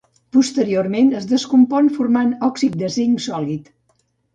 Posteriorment, es descompon formant òxid de zinc sòlid.